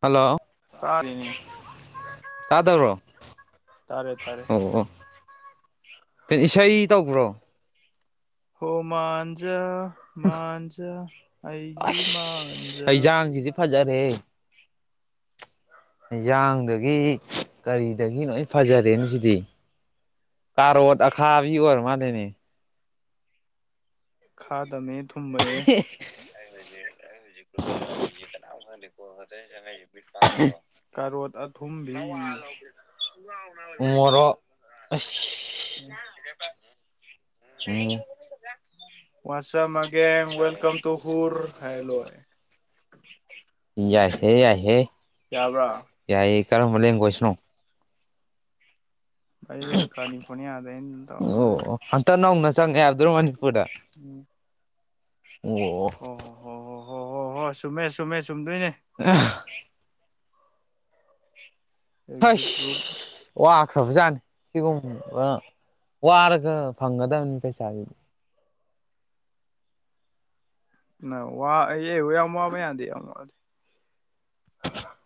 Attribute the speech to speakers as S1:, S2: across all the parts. S1: Hello
S2: ꯆꯥꯔꯤꯅꯤ ꯇꯥꯗꯕꯔꯣ
S1: ꯇꯥꯗꯕ꯭ꯔꯣ
S2: ꯇꯥꯔꯦ ꯇꯔꯦ
S1: ꯑꯣ ꯑꯣ ꯀꯩꯅꯣ
S2: ꯏꯁꯩ ꯇꯧꯕꯔꯣ
S1: ꯇꯧꯕ꯭ꯔꯣ
S2: ꯍꯣꯃꯥꯟꯖ ꯃꯥꯟꯖ ꯑꯩꯒꯤ
S1: ꯑꯁ
S2: ꯃꯥꯟꯖ
S1: ꯍꯩꯖꯥꯡꯁꯤꯗꯤ ꯐꯖꯔꯦ ꯑꯦꯟꯖꯥꯡꯗꯒꯤ ꯀꯔꯤꯗꯒꯤ ꯂꯣꯏ ꯐꯖꯔꯦꯅ ꯁꯤꯗꯤ꯫ ꯀꯥꯔꯣꯠ ꯑꯈꯥꯕꯤ ꯑꯣꯏꯔ ꯃꯥꯅꯦꯅꯦ꯫
S2: ꯈꯥ ꯗꯝꯃꯦ ꯊꯨꯝꯕꯅꯦ ꯑꯩ ꯍꯨꯖꯤꯛ ꯑꯩ ꯍꯨꯖꯤꯛ ꯒꯔꯨꯞꯇ ꯌꯥꯎꯔꯤ ꯃꯤꯖꯦ ꯀꯅꯝ ꯈꯪꯗꯦ꯫ [unintelligible] ꯀꯔꯣꯠ ꯑꯊꯨꯝꯕꯤ ꯃꯔꯣ
S1: ꯎ ꯃꯣꯔꯣꯛ ꯑꯁ
S2: ꯋꯥꯠꯁꯑꯞ
S1: ꯀꯃꯤ ꯒꯦ
S2: ꯑꯒꯦꯟ
S1: ꯋꯦꯜꯀꯝ ꯇ
S2: ꯇꯨ
S1: ꯍ
S2: ꯍꯨꯔ ꯍꯥꯏꯔ
S1: ꯍꯥꯏꯕ
S2: ꯂꯣꯏꯔꯦ
S1: ꯌꯥꯏꯍꯦ ꯌꯥꯏꯍꯦ
S2: ꯌꯥꯕ꯭ꯔꯥ
S1: ꯌꯥꯏ ꯀꯔꯝꯕ ꯂꯦꯡ ꯀꯣꯏꯁꯅꯣ
S2: ꯀꯅꯤ
S1: ꯑꯣ ꯍꯟꯇꯛ
S2: ꯐꯅꯦ
S1: ꯅꯧꯅ ꯆꯪꯉꯦ ꯍꯥꯏꯕꯗꯨꯔꯣ ꯃꯅꯤꯄꯨꯔꯗ
S2: ꯇ
S1: ꯑꯣ
S2: ꯑꯣꯣꯏ ꯍꯣꯏ ꯍꯣꯏ ꯁꯨꯝꯃꯦ ꯁꯨꯝꯃꯦ ꯆꯨꯝꯗꯣꯏꯅꯦ
S1: ꯍ
S2: ꯑꯦꯛꯖꯤꯠ ꯒ꯭ꯔꯨꯞꯅ
S1: ꯋꯥꯈ꯭ꯔꯕꯖꯅꯤ ꯁꯤꯒꯨꯝꯕ ꯋꯥꯔꯒ ꯐꯪꯒꯗꯕꯅꯤ ꯄꯩꯁꯥꯗꯨꯗꯤ
S2: ꯋꯥ ꯌꯥꯝ ꯋꯥꯕ ꯌꯥꯗꯤ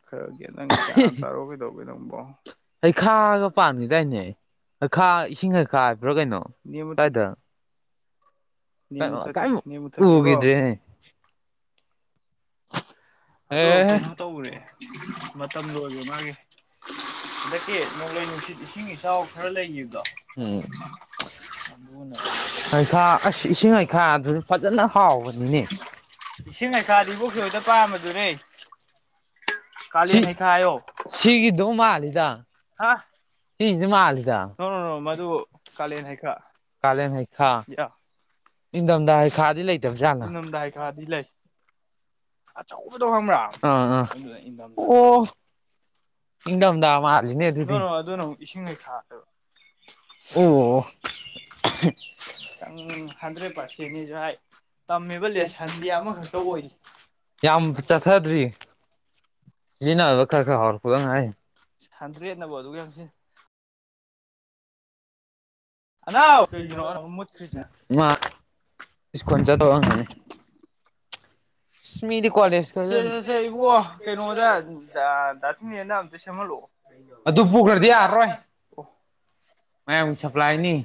S2: ꯈꯔꯒꯤ ꯅꯪ ꯒ꯭ꯌꯥꯟ ꯇꯥꯔꯣ ꯀꯩꯗꯧꯕꯧꯕꯦ ꯅꯪꯕꯣ
S1: ꯍꯩꯈꯥꯒ ꯄꯥꯟꯈꯤꯗꯥꯏꯅꯦ ꯍꯩꯈꯥ ꯏꯁꯤꯡ ꯈꯩꯈꯥ ꯍꯥꯏꯕ꯭ꯔꯥ ꯀꯩꯅꯣ ꯀꯏꯗ
S2: ꯅꯃ ꯊ ꯅꯃ ꯊꯀꯤꯀꯣ
S1: ꯎꯈꯤꯗ꯭ꯔꯦꯅꯦ
S2: ꯑꯗꯨ
S1: ꯑꯦ
S2: ꯀꯩꯅꯣ ꯇꯧꯨꯔꯦ ꯃꯇꯝꯗꯣ ꯑꯣꯏꯕ ꯃꯥꯒꯤ ꯍꯟꯗꯛꯀꯤ ꯅꯣꯡꯂꯩ ꯅꯨꯡꯁꯤꯠ ꯏꯁꯤꯡ ꯏꯆꯥꯎ ꯈꯔ ꯂꯩꯈꯤꯕꯗꯣ ꯑꯗꯨꯅ
S1: ꯑꯩꯩꯈꯥ ꯑꯁ ꯏꯁꯤꯡ ꯂꯩꯩꯈꯥꯗꯨꯁꯨ ꯐꯖꯅ ꯍꯥꯎꯕꯅꯤꯅꯦ
S2: ꯏꯁꯤꯡ ꯂꯩꯩꯈꯥꯗꯤ ꯄꯣꯛꯈꯤꯕꯣꯗ ꯄꯥꯝꯕꯗꯨꯔꯦ ꯀꯂꯤ
S1: ꯁꯤ
S2: ꯅꯅꯤꯊꯥ ꯑꯣ
S1: ꯁꯤꯒꯤꯗꯧ
S2: ꯍꯥ
S1: ꯁꯤꯗꯤꯃꯜ
S2: ꯅ ꯃꯗꯨ ꯀꯥꯂꯦꯟ ꯍꯥꯏꯀ
S1: ꯀꯥꯂꯦꯟ ꯍꯩꯈꯥ ꯏꯪꯊꯝꯊꯥ ꯍꯩꯈꯥꯗꯤ ꯂꯩꯇꯕ ꯖꯥꯠꯂꯥ
S2: ꯏꯪꯊꯝꯗꯥꯏ ꯈꯥꯗꯤ ꯂꯩ ꯑꯆꯧꯕꯗꯣ ꯈꯪꯕ꯭ꯔꯥ
S1: ꯑꯥ ꯑꯥ
S2: ꯑꯗꯨꯅ ꯏꯟꯊꯝꯗ
S1: ꯑꯣ ꯏꯪꯊꯝꯊꯥ ꯃꯥꯜꯂꯤꯅꯦ
S2: ꯅ
S1: ꯑꯗꯨꯗꯤ
S2: ꯅ ꯑꯗꯨꯅ ꯑꯃꯨꯛ ꯏꯁꯤꯡꯈꯩ ꯈꯥꯣꯏꯕ
S1: ꯑꯣ [unintelligible] [unintelligible] [unintelligible]
S2: ꯈꯤꯇꯪ ꯍꯟꯗ꯭ꯔꯦꯠ ꯄꯥꯔꯁꯦꯟꯅꯤꯁꯨ ꯍꯥꯏ ꯇꯝꯃꯤꯕ ꯂꯦꯁꯟꯗꯤ ꯑꯃꯈꯛꯇ ꯑꯣꯏꯔꯤ
S1: [unintelligible] ꯌꯥꯝ ꯆꯠꯊꯗ꯭ꯔꯤ ꯁꯤꯖꯤꯟꯅꯕ ꯈꯔ ꯈꯔ ꯍꯥꯎꯔꯛꯄꯗꯪ ꯉꯥꯏ
S2: ꯍꯟꯇ꯭ꯔꯦꯠꯅꯕ ꯑꯗꯨ ꯌꯥꯝ ꯍꯅꯥꯎ ꯀꯩꯒꯤꯅꯣ ꯃꯨꯠꯈ꯭ꯔꯤꯁꯦ
S1: ꯃꯥ ꯃꯥ ꯁꯀꯨꯜ ꯆꯠ ꯑꯣꯏꯔꯝꯒꯅꯤ
S2: ꯁꯦ ꯁꯦ ꯁꯦ ꯏꯕꯣ ꯀꯩꯅꯣꯗ ꯅꯦꯅ ꯑꯝꯇ ꯁꯦꯝꯍꯜꯂꯛꯑꯣꯈꯗꯤ ꯌꯥ ꯑꯣ
S1: ꯃꯌꯥꯝ ꯁꯄ꯭ꯂꯥꯏꯅꯤ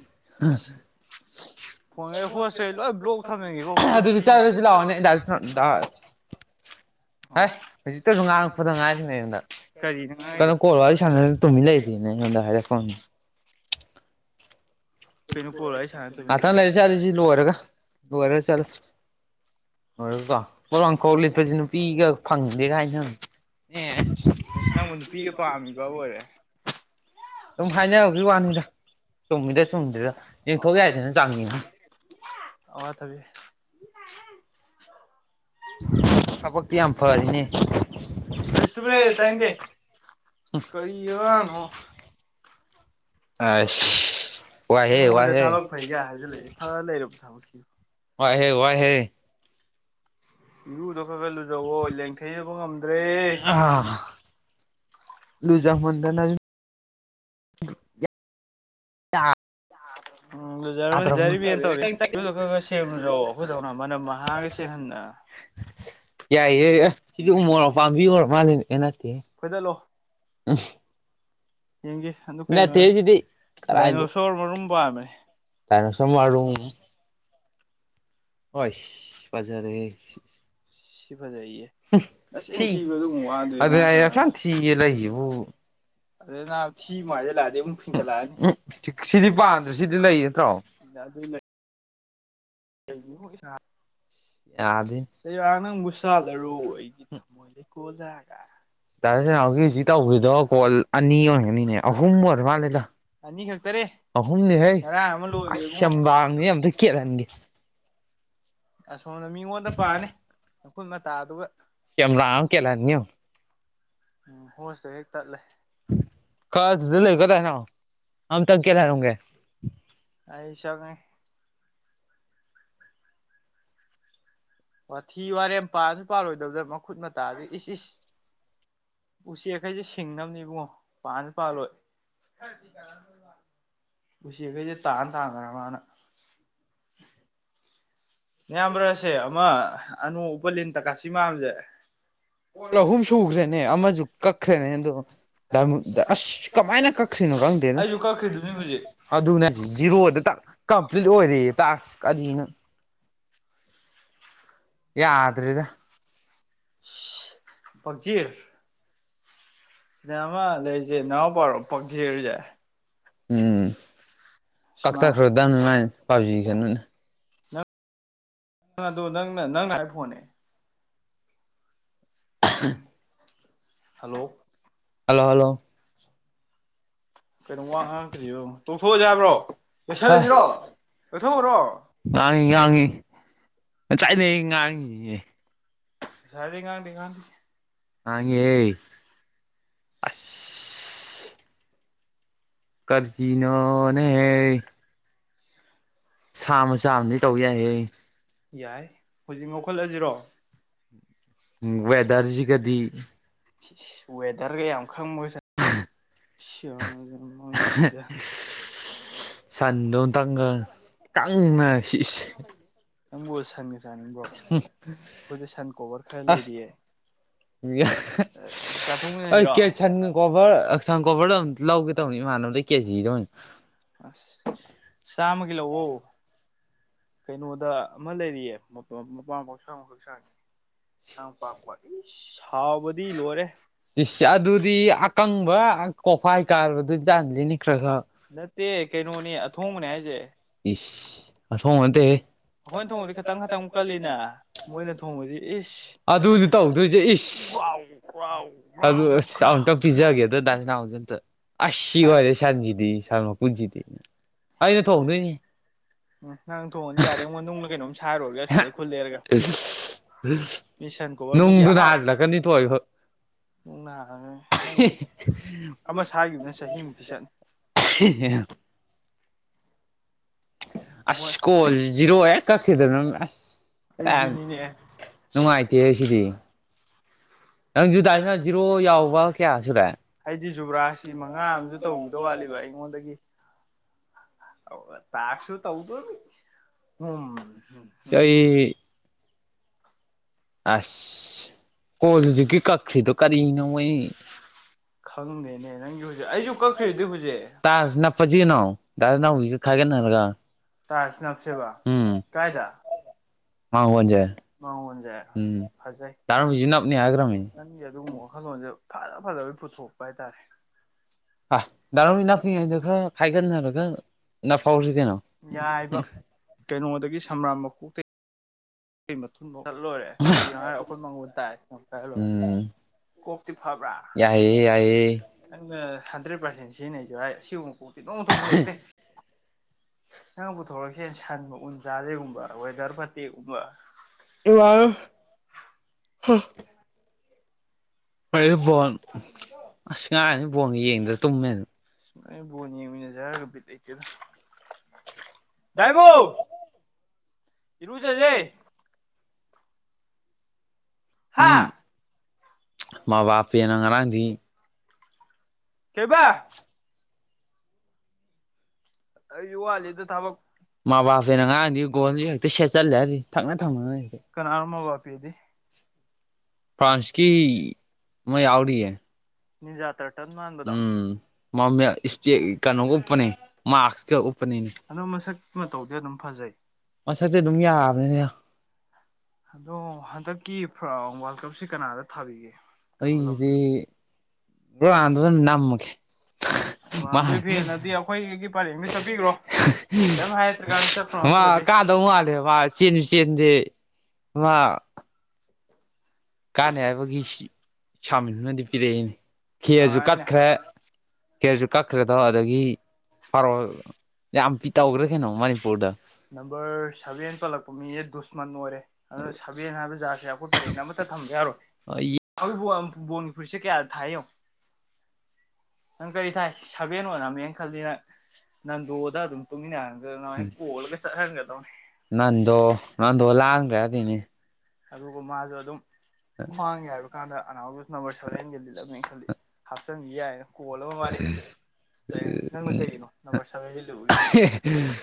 S2: ꯐꯣꯟꯒꯩ ꯍꯣꯁꯈꯩ ꯂꯣꯏ ꯕ꯭ꯂꯣꯛ ꯊꯝꯃꯒꯦꯀꯣ ꯐꯣꯟ ꯁꯤ
S1: ꯑꯗꯨꯁ ꯂꯁꯤ ꯗꯔ ꯍ ꯍꯧꯖꯤꯛꯇꯁꯨ ꯉꯥꯡꯉꯛꯄꯗ ꯉꯥꯏꯔꯤꯁꯤꯅꯦ ꯑꯩꯉꯣꯟꯗ
S2: ꯀꯔꯤꯅꯣ
S1: ꯀꯩꯅꯣ
S2: ꯉꯥꯡꯉꯤꯕ
S1: ꯀꯣꯜꯂꯣ ꯋꯥꯔꯤ ꯁꯥꯟꯅ ꯇꯨꯝꯃꯤ ꯂꯩꯔꯤꯅꯦ ꯗꯔꯣ
S2: ꯀꯩꯅꯣ ꯀꯣꯜ ꯋꯥꯔꯤ ꯁꯥꯟꯅ ꯇꯨꯃꯤꯟ
S1: ꯑꯇ
S2: ꯂꯩꯗꯣ
S1: ꯂꯩꯥꯏ ꯆꯂꯤꯁꯤ ꯂꯨꯍꯔꯒ ꯂꯨꯍꯔꯒ ꯆꯂ ꯑꯣꯏ ꯀꯣ ꯄꯂꯥꯡ ꯀꯣꯛ ꯂꯤꯠꯄꯁꯦ ꯅꯨꯄꯤꯒ ꯐꯪꯗꯦ ꯀꯥꯏꯅꯪ
S2: ꯅꯪꯕꯨꯣꯟ ꯅꯨꯄꯤꯒ ꯄꯥꯝꯃꯤꯕ ꯑꯣꯏꯔꯦ
S1: ꯑꯗꯨꯝ ꯍꯥꯏꯅꯅꯕꯒꯤ ꯋꯥꯅꯤꯗ ꯆꯣꯃꯤꯗ
S2: ꯑꯋꯥ ꯇꯕꯤ
S1: ꯊꯕꯛꯇꯤ ꯌꯥꯝ ꯐꯔꯤꯅꯦ
S2: [inaudible] ꯐꯁ ꯇꯨꯃꯤꯅꯦ ꯇꯥꯏꯗꯦ ꯀꯔꯤ ꯋꯥꯅ
S1: ꯑ
S2: ꯑꯩꯉꯣꯟꯗ ꯊꯕꯛ ꯐꯩꯒ ꯍꯥꯏꯖꯤꯜꯂꯛꯏꯦ ꯐ ꯂꯩꯨꯕ ꯊꯕꯛꯁꯤꯕꯨ ꯋꯥꯏ ꯍꯦ
S1: ꯋꯥꯏꯍꯦ
S2: ꯋꯥꯏ ꯍꯦ
S1: ꯋꯥꯏꯍꯦ
S2: ꯏ ꯐꯕ ꯂꯨꯖꯋꯣ ꯂꯦꯡꯊꯩꯅꯕ ꯉꯝꯗ꯭ꯔꯦ
S1: ꯂꯨꯖꯥ ꯃꯗꯅ
S2: ꯎꯝ ꯂꯨꯖꯔꯝꯃꯅꯤ ꯂꯨꯖꯔꯤꯕꯅ ꯇꯧꯔꯦ ꯈꯤꯇꯪ
S1: ꯍꯃ
S2: ꯏꯔꯨꯖ ꯈꯔ ꯈꯔ ꯁꯦꯝ ꯂꯨꯖꯧ ꯑꯩꯈꯣꯏꯗꯧꯅ ꯃꯅꯝ
S1: ꯍꯥꯏ [inaudible]
S2: ꯌꯥꯏꯌꯦꯦ
S1: ꯑꯣꯏꯔ
S2: ꯐꯣꯏꯗꯜꯂꯣ
S1: ꯎꯝ
S2: ꯌꯦꯡꯒꯦ ꯑꯗꯨ ꯀꯩꯅꯣ ꯗꯥꯏꯅꯣꯁꯣꯔ ꯃꯔꯨꯝ ꯄꯥꯕꯅꯦ
S1: ꯇꯥꯏꯅ ꯁ ꯃꯔꯔꯨꯝ ꯍ ꯄꯖꯔ
S2: ꯁꯤ ꯐꯖꯩꯌꯦ ꯑꯁ ꯏꯟꯊꯤꯕꯗ ꯑꯃꯨꯛ ꯋꯥꯗꯣꯏ
S1: ꯑꯗꯨꯅꯦ
S2: ꯑꯗꯩ ꯅꯥꯕ
S1: ꯑꯗꯨ ꯁꯤ
S2: ꯊꯤ ꯑꯃꯨꯛ
S1: ꯃꯥꯏꯗ ꯂꯥꯛꯑꯗꯤ
S2: ꯍꯥꯏꯖꯤꯜꯂꯛꯑꯗꯤ
S1: ꯑꯃꯨꯛ ꯂꯥꯛꯑꯅꯤ
S2: ꯐꯤꯡꯀꯠꯂꯛꯑꯅꯤ
S1: ꯁꯤꯗꯤ ꯄꯥꯝꯗ꯭ꯔꯣ ꯁꯤꯗꯤ ꯂꯩ ꯅꯠꯇ꯭ꯔꯣ
S2: ꯌꯥ ꯑꯗꯨ ꯀꯒꯤꯕꯨ ꯁꯅꯥ
S1: ꯌꯥꯗꯦ
S2: ꯌꯥꯗꯔꯥ ꯅꯪꯕꯨ ꯁꯥꯥꯜꯂꯔꯣ ꯑꯩꯒꯤ ꯊꯝꯃꯣꯏꯗꯩ ꯀꯣꯜꯂꯒ
S1: ꯅꯥꯍꯎꯒꯤ ꯁꯤ ꯇꯧꯗꯣ ꯀꯣꯜ ꯑꯅꯤ ꯑꯣꯏꯔꯒꯅꯤꯅꯦ ꯑꯍꯨꯝ ꯑꯣꯏꯔ ꯃꯥꯜꯂꯦꯗ
S2: ꯑꯅꯤ ꯈꯛꯇꯅꯦ
S1: ꯑꯍꯨꯝꯅꯤ ꯍꯩ
S2: ꯉꯔꯥꯡ ꯑꯃ ꯂꯣꯏꯒ꯭ꯔꯦ ꯏꯕꯨꯡꯉꯣ
S1: ꯑꯕꯥꯡꯅꯤ ꯑꯇ ꯀꯦꯠꯍꯟꯒꯦ
S2: ꯑꯁꯣꯝꯅ ꯃꯤꯉꯣꯟꯗ ꯄꯥꯅꯤ ꯃꯈꯈꯨꯠ ꯃꯇꯥꯗꯨ
S1: ꯀꯔ ꯀꯂꯅꯤꯣ
S2: ꯎꯝ ꯍꯣꯁꯨꯦ ꯍꯦꯛ ꯇꯠꯂꯦ
S1: ꯀ ꯀꯗꯅ ꯑ ꯇꯪ ꯀꯦ ꯂꯩꯒꯦ
S2: ꯁꯦ ꯋꯥꯊꯤ ꯋꯥꯔꯦꯝ ꯄꯥꯁꯨ ꯄꯥꯜꯔꯣꯏꯗꯧꯗ ꯃꯈꯨꯠ ꯃꯇꯥꯗ ꯏꯁ ꯏꯁ ꯎꯆꯦꯛꯈꯩꯁꯦ ꯁꯤꯡꯅꯕꯅꯦ ꯏꯕꯨꯡꯣ ꯄꯥꯅ ꯄꯥꯜꯂꯣꯏ ꯁꯤ ꯀꯖꯤ ꯇꯥꯥꯟ ꯇꯥ ꯇ ꯃꯥꯅ
S1: ꯑ
S2: ꯏꯌꯥꯝꯕ꯭ꯔꯁꯦ ꯑꯃ ꯑꯅꯨ ꯎꯄ ꯂꯤꯟ ꯇ ꯀꯥꯁꯤꯃꯝꯁꯦ
S1: ꯑꯍꯨꯝ ꯁꯨꯈ꯭ꯔꯦꯅꯦ ꯑꯃꯁꯨ ꯀꯛꯈ꯭ꯔꯦꯅꯦ ꯑꯗꯣ ꯑꯁ ꯀꯃꯥꯏꯅ ꯀꯛꯈ꯭ꯔꯤꯅꯣ ꯈꯪꯗꯦꯅ
S2: ꯑꯩꯁꯨ ꯀꯛꯈ꯭ꯔꯤꯗꯨꯅꯤ ꯍꯧꯖꯤꯛ
S1: ꯑꯗꯨ ꯖꯤꯔꯣꯗ ꯀꯝꯄ꯭ꯂꯤꯠ ꯑꯣꯏꯔꯤ ꯇ ꯀꯔꯤꯅ ꯌꯥꯗ꯭ꯔꯦꯗ
S2: ꯀꯌꯥꯅ ꯛꯖꯤꯔ ꯁ ꯂꯩꯁꯦ ꯅ ꯄꯔꯣ ꯄꯛꯁꯤꯔꯨꯖꯦ
S1: ꯎꯝ ꯀꯥꯛ
S2: ꯏꯁꯃꯥ
S1: ꯇ ꯈꯔ ꯄꯕꯖꯤ ꯈꯅ
S2: ꯅꯪ ꯑꯗꯣ ꯅꯪꯅ ꯅꯪꯅ ꯍꯥꯏꯕ ꯐꯣꯟꯅꯦ
S1: [inaudible]
S2: ꯍꯜꯂꯣ
S1: ꯍꯜꯂꯣ ꯍꯜꯂꯣ
S2: ꯀꯩꯅꯣ ꯋꯥ ꯉꯇ꯭ꯔꯤꯣ ꯇꯣꯛꯊꯣꯛꯑꯁꯦ ꯍꯥꯏꯕ꯭ꯔꯣ ꯂꯁꯜꯂꯁꯤꯔꯣ
S1: ꯉꯥꯡꯏꯤ ꯉꯥꯡꯉꯤ ꯆꯥꯏꯅꯩ ꯉꯥꯡꯉꯤꯅꯦꯍꯦ
S2: ꯁꯗꯤ ꯀꯥꯟꯙꯤ ꯀꯥꯟꯙ
S1: ꯅꯉꯦ ꯀꯖꯤꯅꯣꯅꯦ ꯁꯥꯝꯃ ꯁꯥꯥꯝꯗꯤ ꯇꯧ ꯌꯥꯏꯍꯦ
S2: ꯌꯥꯏ ꯍꯧꯖꯤꯛ ꯉꯈꯠꯂꯁꯤꯔꯣ
S1: ꯦꯗꯔꯖꯤ ꯀꯗꯤ
S2: ꯋꯦꯗꯔ ꯀꯌꯥꯃꯈꯥꯡ ꯃꯁ ꯁꯤꯒ
S1: [inaudible] ꯁꯥꯟꯗ ꯇꯪꯒ ꯀꯪꯅ
S2: ꯅꯪꯕꯨ ꯁꯟꯒ ꯆꯥꯅꯤꯡꯕꯣ ꯑꯩꯈꯣꯏꯗꯤ ꯁꯟ ꯀꯣꯚꯔ ꯈꯔ ꯂꯩꯔꯤꯌꯦ ꯑꯗꯨ
S1: ꯍꯣꯏ
S2: ꯆꯥꯊꯣꯛꯃꯤꯟꯅꯁꯤꯔꯣ ꯑꯁ
S1: ꯀꯦꯁꯟꯒ ꯀꯣꯕꯔ ꯍꯛꯆꯥꯡ ꯀꯣꯕꯔꯗꯣ ꯑꯝ ꯂꯧꯒꯦ ꯇꯧꯅꯤ ꯃꯅꯗꯈꯤꯁꯤ ꯇꯅꯤ
S2: ꯁꯃꯒꯤꯂꯣ ꯑꯣ ꯀꯩꯅꯣꯗ ꯑꯃ ꯂꯩꯔꯤꯌꯦ ꯃꯄꯥ ꯃꯄ ꯁꯥꯡ ꯑꯃꯈꯛ ꯁꯥꯡꯉꯤ ꯍ ꯄꯥꯛꯄ ꯁꯥꯎꯕꯗꯤ ꯂꯣꯏꯔꯦ
S1: ꯑꯗꯨꯗꯤ ꯑꯀꯪꯕ ꯀꯣꯛꯈꯥꯏ ꯀꯥꯕꯗꯨꯗꯤ ꯇꯥꯟꯗꯅꯤ ꯈꯔ ꯈꯔ
S2: ꯅꯠꯇꯦ ꯀꯩꯅꯣꯅꯤ ꯑꯊꯣꯡꯕꯅꯦ ꯍꯥꯏꯁꯦ
S1: ꯏ ꯑꯁ ꯍꯉꯗꯦ
S2: ꯑꯩꯈꯣꯏꯅ ꯊꯣꯡꯕꯗꯤ ꯈꯤꯇꯪ ꯈꯇꯪ ꯑꯗꯨꯗꯤ ꯇꯧꯗꯣꯏꯁꯦ
S1: ꯏꯁ
S2: ꯀꯥꯎ ꯀꯥꯎ
S1: ꯑꯗꯨ ꯑꯁꯨꯇꯪ ꯄꯤꯖꯒꯦꯗꯗꯥꯁꯤꯅꯥꯎꯖꯤꯝꯇ ꯑꯁꯤ
S2: ꯑꯁ
S1: ꯑꯣꯏꯔꯦ ꯁꯟꯁꯤꯗꯤ ꯁꯟ ꯃꯄꯨꯟꯁꯤꯗꯤ ꯑꯩꯅ ꯊꯣꯡꯗꯣꯏꯅꯦ
S2: ꯎꯝ ꯅꯪ ꯊꯣꯡꯉꯗꯤ ꯌꯥꯔꯦ ꯑꯩꯉꯣꯟ ꯅꯨꯡꯂ ꯀꯩꯅꯣꯝ ꯁꯥꯔꯨꯔꯒꯦ ꯑꯁ꯭ꯋꯥꯏꯗ ꯈꯨꯠ ꯂꯩꯔꯒ ꯃꯤ ꯁꯟ
S1: [unintelligible]
S2: ꯀꯣꯕꯔ ꯃꯤꯒꯤ ꯑꯍꯥꯎ
S1: ꯅꯨꯡꯗꯨꯅꯖꯤꯜꯂꯛꯀꯅꯤ ꯊꯣꯛ
S2: ꯅꯨꯡꯅ ꯍꯥꯡꯉꯒ ꯅꯪꯒꯤ ꯑꯃ
S1: [unintelligible]
S2: ꯁꯥꯈꯤꯕꯗꯨꯅ ꯆꯍꯤꯃꯨꯛꯇꯤ ꯆꯠꯅꯤ
S1: [unintelligible]
S2: ꯑꯩꯈꯣꯏ
S1: ꯑꯁꯀꯣꯜ ꯖꯤꯔꯣ ꯍꯦꯛ ꯀꯛꯈꯤꯗꯕꯅ ꯑꯁ ꯈꯔ
S2: ꯑꯩꯁꯨꯅꯤꯅꯦ
S1: ꯅꯨꯡꯉꯥꯏꯇꯦ ꯁꯤꯗꯤ ꯅꯪ ꯨꯇꯥꯁꯤꯅ ꯖꯤꯔꯣ ꯌꯥꯎꯕ ꯀꯌꯥ ꯁꯨꯔꯦ
S2: ꯍꯥꯏꯗꯤ ꯖꯨꯕ꯭ꯔꯥꯁꯤ ꯃꯉꯥ ꯑꯃꯁꯝꯨ ꯇꯧꯕꯗ ꯋꯥꯠꯂꯤꯕ ꯑꯩꯉꯣꯟꯗꯒꯤ ꯇꯥꯥꯛꯁꯨ ꯇꯧꯗ ꯅ ꯎꯝ
S1: ꯑꯩ ꯑꯁ ꯀꯣꯜ ꯍꯧꯖꯤꯛꯀꯤ ꯀꯈ꯭ꯔꯤꯗꯣ ꯀꯔꯤꯅꯣꯣꯏ
S2: ꯈꯪꯗꯅꯦ ꯅꯪꯒꯤ ꯍꯧꯖꯤꯛ ꯑꯩꯁꯨ ꯀꯛꯈ꯭ꯔꯤꯗꯤ ꯍꯧꯖꯤꯛ
S1: ꯇꯥꯖ ꯅꯞꯄꯁꯤꯅꯣ ꯗꯥ ꯅꯥꯎꯕꯤꯒ ꯈꯥꯏꯒꯠꯅꯔꯒ
S2: ꯇꯥꯏꯁ ꯅꯞꯁꯦꯕꯥ
S1: ꯎꯝ
S2: ꯀꯥꯏ ꯊ ꯥꯡ
S1: ꯃꯥꯡꯒꯣꯟꯁꯦ
S2: ꯃꯥꯡꯣꯟꯖ
S1: ꯎꯝ
S2: ꯐꯖ
S1: ꯗꯥ ꯅꯥꯎꯕꯤꯁꯨ ꯅꯞꯅꯤ ꯍꯥꯏꯈ꯭ꯔꯕꯅꯤ
S2: ꯑꯗꯨꯒꯨꯝꯕ ꯋꯥꯈꯜꯂꯣꯟꯁꯦ ꯐꯖ ꯐꯖꯕ ꯄꯨꯊꯣꯛꯄ ꯍꯥꯏꯇꯥꯔꯦ
S1: ꯑ ꯗꯔꯥꯎ ꯃꯤꯅꯥꯄꯤꯉ ꯍꯥꯏꯗ ꯈꯔ ꯈꯥꯏꯒꯅꯔꯒ ꯅ ꯐꯥꯎꯁꯨ ꯀꯩꯅꯣ
S2: ꯌꯥꯏꯕ ꯀꯩꯅꯣꯗꯒꯤ ꯁ꯭ꯔꯥꯝ ꯃꯈꯨ ꯀ ꯃꯊꯨꯟ ꯃꯈꯨꯈꯠ ꯂꯣꯏꯔꯦ ꯀꯩꯒꯤꯅꯣ ꯍꯥꯏꯔ ꯑꯩꯈꯣꯏ ꯃꯉꯣꯟꯜ ꯇꯥꯏ ꯀꯂꯦ
S1: ꯎꯝ
S2: ꯀꯣꯛꯇꯤ ꯐꯕ꯭ꯔꯥ
S1: ꯌꯥꯏꯌꯦ ꯌꯥꯏꯌꯦ
S2: ꯅꯪꯅ ꯍꯟꯗ꯭ꯔꯦꯠ ꯄꯥꯔꯁꯦꯟ ꯁꯤꯖꯤꯟꯅꯩꯁꯨ ꯍꯥꯏ ꯑꯁꯤꯒꯨꯝꯕ ꯄꯣꯛꯇꯦ ꯅꯣꯡꯊꯛꯇꯦ ꯅꯪ ꯄꯨꯊꯣꯔꯛꯁꯦ ꯁꯟ ꯎꯟ ꯆꯥꯗꯩꯒꯨꯝꯕ ꯋꯦꯗꯔ ꯐꯠꯇꯦꯛꯒꯨꯝꯕ
S1: ꯏ ꯋꯥ ꯍ ꯍꯣꯏ ꯕꯣꯣꯟ ꯑꯁ ꯉꯥꯏꯔꯅꯤ ꯕꯣꯣꯟ ꯌꯦꯡꯗ꯭ꯔ ꯇꯨꯝꯃꯦꯅ
S2: ꯅ ꯣꯅꯤ ꯃꯤꯅꯖꯒꯦꯗ
S1: ꯉꯥꯏꯕꯣ
S2: ꯏꯔꯨꯖꯖꯦ ꯍꯥꯥ
S1: ꯃꯥ ꯕꯥꯞꯅ ꯉꯔꯥꯡꯗꯤ
S2: ꯀꯩꯕꯥ ꯑꯩ ꯌꯨꯋꯥꯖꯤꯗ ꯊꯕꯛ
S1: ꯃꯕꯥꯁꯦꯅ ꯑꯉꯥꯡꯗꯤ ꯒꯣꯟꯜꯁꯨ ꯍꯦꯛꯇ ꯁꯦꯠꯆꯜꯂꯦ ꯍꯥꯏꯗꯤ ꯊꯪꯅ ꯊꯪꯅ ꯍꯦꯛꯇ
S2: ꯊꯃ ꯋꯥꯄꯗꯤ
S1: ꯐ꯭ꯔꯥꯟꯁꯀꯤ ꯑꯃ ꯌꯥꯎꯔꯤꯌꯦ
S2: ꯅꯤꯡꯖꯥꯇꯔ ꯇ ꯃꯥꯟꯕꯗ
S1: ꯎꯝ ꯀꯩꯅꯣꯒ ꯎꯞꯄꯅꯦ ꯃꯥꯛꯁꯀ ꯎꯞꯄꯅꯤꯅꯦ
S2: ꯑꯗꯣ ꯃꯁꯛ ꯃꯇ ꯇꯧꯗꯦ ꯝ ꯐꯖꯩ
S1: ꯃꯁꯗꯤ ꯑꯗꯨꯝ ꯌꯥꯕꯅꯦꯅꯦ
S2: ꯑꯗꯣ ꯍꯟꯗꯛꯀꯤ ꯋꯥꯔꯜ ꯀꯞꯁꯤ ꯀꯅꯥꯗ ꯊꯥꯕꯤꯒꯦ ꯀꯔꯝꯕ ꯂꯝꯗ
S1: ꯑꯩꯒꯤꯗꯤ ꯥꯟꯗꯨ ꯑꯗꯨꯅ ꯅꯝꯃꯒꯦ
S2: ꯔꯣꯅꯥꯜꯗꯣ ꯐꯦꯟꯅꯗꯤ ꯑꯩꯈꯣꯏꯒꯤ ꯄꯔꯦꯡꯗ ꯆꯠꯄꯤꯈ꯭ꯔꯣ ꯀꯔꯤꯝ ꯍꯥꯏꯔꯛꯇ꯭ꯔꯀꯥꯟꯗ ꯆꯠꯈ꯭ꯔꯣ
S1: [unintelligible] ꯑ
S2: ꯅꯠꯇ꯭ꯔꯗꯤ
S1: ꯀꯥꯗꯧ ꯃꯥꯜꯂꯦ ꯆꯦꯟꯁꯨ ꯆꯦꯟꯗꯦ ꯋꯥ ꯀꯥꯅꯩ ꯍꯥꯏꯕꯒꯤ ꯆꯥꯃꯤꯟꯗꯨꯅꯗꯤ ꯄꯤꯔꯛꯏꯅꯦ ꯈꯦꯁꯨ
S2: ꯑꯩꯅ
S1: ꯀꯠꯈ꯭ꯔꯦ ꯀꯦꯁꯨ ꯀꯛꯈ꯭ꯔꯦꯗ ꯑꯗꯒꯤ ꯐꯥꯔꯣ ꯌꯥꯝ ꯄꯤ ꯇꯧꯈ꯭ꯔꯦ ꯀꯩꯅꯣ ꯃꯅꯤꯄꯨꯔꯗ
S2: ꯅꯝꯕꯔ ꯁꯚꯦꯟ ꯆꯠꯂꯛꯄ ꯃꯤꯁꯦ ꯗꯨꯁꯃꯟ ꯑꯣꯏꯔꯦ ꯑꯗꯨꯅ ꯁꯕꯦꯟ ꯍꯥꯏꯕ ꯖꯥꯁꯦ ꯑꯈꯨꯄ ꯄꯔꯔꯤꯡ ꯑꯃꯠꯇ ꯊꯝꯕ ꯌꯥꯎꯔꯣ ꯕꯅꯤ ꯐꯔꯤꯁꯦ ꯀꯌꯥ ꯊꯥꯏ ꯌꯦꯪꯏ ꯅꯪ ꯀꯔꯤ ꯊꯥꯏ ꯁꯥꯕꯦꯟ ꯑꯣꯔꯝꯃꯦꯅ ꯈꯜꯂꯤ ꯅꯪ ꯅꯟꯗꯣꯗ ꯑꯗꯨꯝ ꯇꯨꯃꯤꯟꯅꯔꯒ ꯀꯣꯜ ꯀ ꯆ ꯍꯥꯏꯔꯗ
S1: ꯅꯟꯗꯣ ꯅꯟꯗꯣ ꯂꯥꯡꯈ꯭ꯔꯦ ꯑꯗꯨꯏꯅꯦ
S2: ꯑꯗꯨꯒ ꯃꯥꯁꯨ ꯑꯗꯨꯝ ꯈ꯭ꯋꯥꯡ ꯌꯥꯏꯕ ꯀꯥꯟꯗ ꯑꯅꯥꯗꯨꯁꯨ ꯅꯝꯕꯔ ꯁꯚꯦꯟꯒ ꯂꯤꯠꯂꯝꯃꯦ ꯈꯜꯂꯤ ꯍꯥꯞꯆꯤꯟꯗꯤ ꯌꯥꯏ ꯀꯣꯜ ꯑꯃ ꯃꯥꯜꯂꯤ ꯅꯪꯅ ꯀꯩꯒꯤꯅꯣ ꯅꯝꯕꯔ ꯁꯕꯦꯟ ꯏꯠꯂꯨꯕꯒꯤ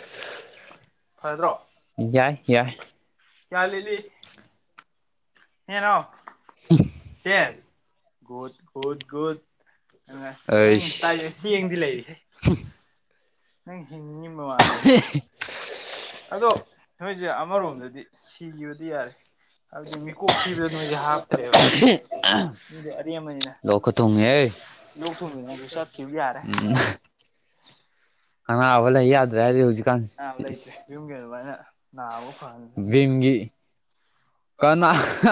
S1: [unintelligible]
S2: ꯐꯇ꯭ꯔꯣ
S1: ꯌꯥꯏ ꯌꯥꯏ
S2: ꯌꯥꯂꯤꯂꯤ ꯍꯦꯅꯣ ꯍꯦ ꯒꯨꯗ ꯒꯨꯗ ꯒꯨꯗ ꯑ ꯅꯪ
S1: ꯑꯩꯁ
S2: ꯇꯥꯏ ꯆ ꯌꯦꯡꯗꯤ ꯂꯩꯔꯤ꯫ ꯅꯪ ꯍꯤꯡꯉꯝꯕ ꯃꯥꯂꯅꯤ ꯑꯗꯣ ꯅꯣꯏꯁꯦ ꯑꯃꯔꯣꯝꯗꯗꯤ ꯁꯤꯈꯤꯕꯗꯤ ꯌꯥꯔꯦ ꯍꯥꯏꯕꯗꯤ ꯃꯤꯀꯣꯛ ꯊꯤꯈꯤꯕꯗꯣ ꯅꯣꯏꯁꯦ ꯍꯥꯞꯇ꯭ꯔꯦꯕ ꯅꯣꯏꯗꯤ ꯑꯔꯦꯝꯕꯅꯤꯅ
S1: ꯂꯣꯛꯀ ꯊꯨꯡꯉꯦꯍꯦ
S2: ꯂꯣꯛ ꯊꯨꯡꯕꯤ ꯅꯁꯨ ꯆꯠꯈꯤꯕ ꯌꯥꯔꯦ
S1: ꯑꯑꯂꯗ꯭ꯔꯦ ꯌꯖꯤ
S2: ꯑ ꯂꯩꯇ꯭ꯔꯦ ꯌꯨꯝ ꯀꯩ ꯑꯗꯨꯃꯥꯏꯅ ꯅꯥꯕ ꯐ
S1: ꯚꯤꯝꯒꯤ [inaudible] ꯀꯅꯥ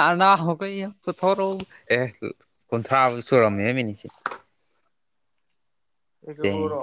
S1: ꯑꯅꯥ ꯀꯩ ꯄꯨꯊꯣꯔꯛꯎ ꯑꯦ ꯀꯨꯟꯊ꯭ꯔꯥꯕꯨ ꯁꯨꯔꯝꯃꯦ ꯃꯤꯅꯤꯠꯁꯦ [inaudible]
S2: ꯑꯩ
S1: ꯇꯦꯡ
S2: ꯆꯂꯔꯣ